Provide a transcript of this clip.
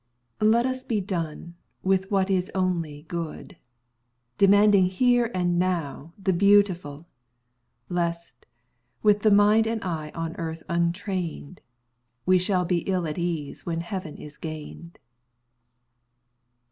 Let us be done with what is only good, Demanding here and now the beautiful; Lest, with the mind and eye on earth untrained, We shall be ill at ease when heaven is gained.